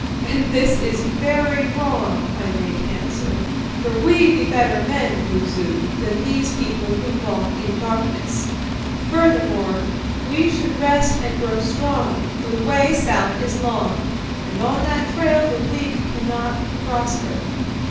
"'And this is very wrong,' I made to answer; 'for we be better men, Moosu, than these people who walk in darkness. Further, we should rest and grow strong, for the way south is long, and on that trail the weak cannot prosper.'"